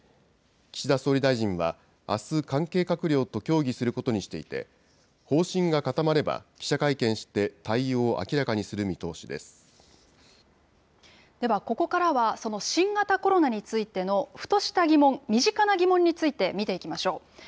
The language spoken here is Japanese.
岸田総理大臣は、あす関係閣僚と協議することにしていて、方針が固まれば、記者会見して、対応をでは、ここからは、その新型コロナについてのふとした疑問、身近な疑問について見ていきましょう。